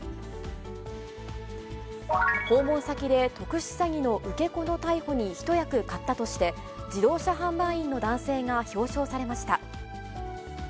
訪問先で、特殊詐欺の受け子の逮捕に一役買ったとして、自動車販売員の男性が表彰されました。